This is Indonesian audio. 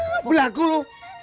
wah belaku lu